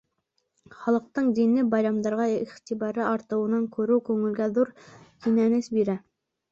Халыҡтың дини байрамдарға иғтибары артыуын күреү күңелгә ҙур кинәнес бирә.